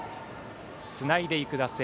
つないでいく打線。